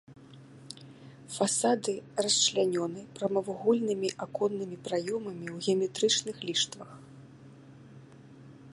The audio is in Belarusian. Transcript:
Фасады расчлянёны прамавугольнымі аконнымі праёмамі ў геаметрычных ліштвах.